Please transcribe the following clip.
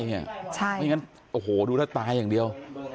ใช่ไม่อย่างนั้นโอ้โฮดูแล้วตายอย่างเดียว